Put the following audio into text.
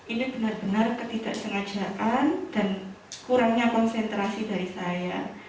ini benar benar ketidaksengajaan dan kurangnya konsentrasi dari saya